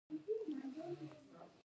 مکتبونه باید وساتل شي